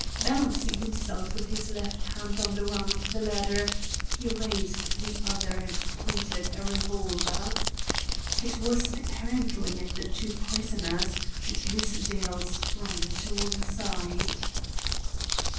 Balancing himself with his left hand on the rung of the ladder, he raised the other and pointed a revolver. It was apparently at the two prisoners, and Miss Dale sprang to one side.